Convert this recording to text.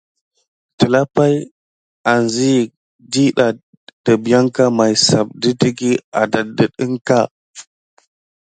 Telapay anziyek diɗɑ dəbiyanka may sap də teky adaddəɗ əŋka.